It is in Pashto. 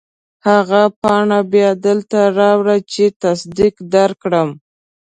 هغه پاڼه بیا دلته راوړه چې تصدیق درکړم.